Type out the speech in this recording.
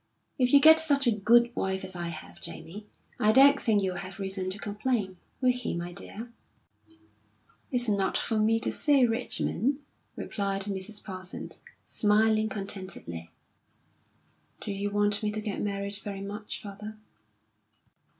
"If you get such a good wife as I have, Jamie, I don't think you'll have reason to complain. Will he, my dear?" "It's not for me to say, Richmond," replied Mrs. Parsons, smiling contentedly. "Do you want me to get married very much, father?"